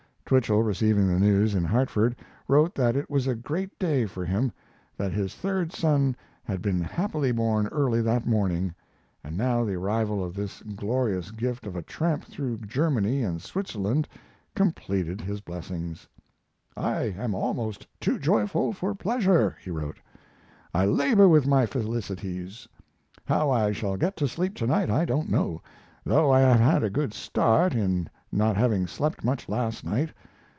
Twichell, receiving the news in Hartford, wrote that it was a great day for him: that his third son had been happily born early that morning, and now the arrival of this glorious gift of a tramp through Germany and Switzerland completed his blessings. I am almost too joyful for pleasure [he wrote]. I labor with my felicities. How I shall get to sleep to night I don't know, though I have had a good start, in not having slept much last night.